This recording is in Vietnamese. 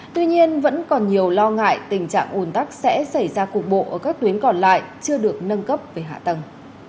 tuy nhiên vẫn còn nhiều lo ngại tình trạng ồn tắc sẽ xảy ra cục bộ ở các tuyến còn lại chưa được nâng cấp về hạ tầng